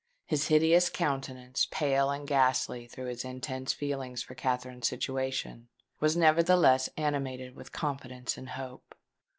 His hideous countenance, pale and ghastly through his intense feelings for Katherine's situation, was nevertheless animated with confidence and hope.